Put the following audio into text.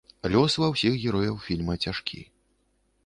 Лёс ва ўсіх герояў фільма цяжкі.